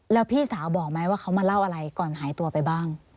แล้วพี่สาวบอกไหมว่าเขามาเล่าอะไรก่อนหายตัวไปบ้าง